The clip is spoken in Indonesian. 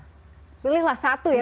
pilihlah satu ya